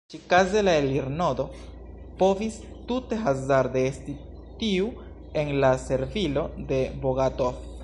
Ĉi-kaze la elirnodo povis tute hazarde esti tiu en la servilo de Bogatov.